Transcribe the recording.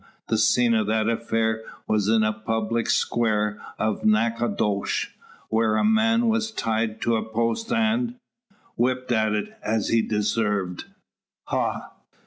The scene o' that affair was in the public square o' Nacodosh, whar a man was tied to a post an " "Whipped at it, as he deserved." "Ha!"